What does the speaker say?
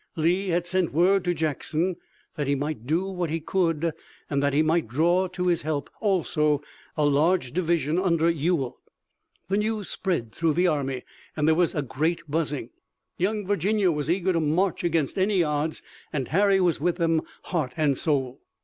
Lee had sent word to Jackson that he might do what he could, and that he might draw to his help also a large division under Ewell. The news spread through the army and there was a great buzzing. Young Virginia was eager to march against any odds, and Harry was with them, heart and soul.